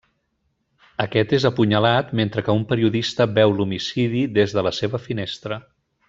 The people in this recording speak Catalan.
Aquest és apunyalat mentre que una periodista veu l'homicidi des de la seva finestra.